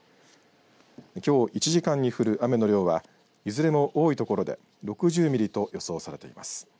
きょう１時間に降る雨の量はいずれも多い所で６０ミリと予想されています。